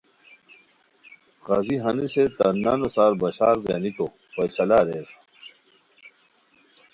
قاضی ہنیسے تان نانو سار بشارگانیکو فیصلہ اریر